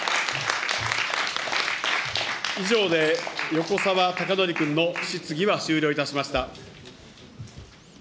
以上で、横沢高徳君の質疑は終了いたしました。